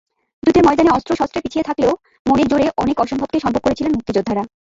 যুদ্ধের ময়দানে অস্ত্রশস্ত্রে পিছিয়ে থাকলেও মনের জোরে অনেক অসম্ভবকে সম্ভব করেছিলেন মুক্তিযোদ্ধারা।